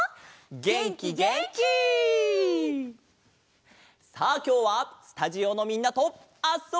げんきげんき！さあきょうはスタジオのみんなとあっそぼう！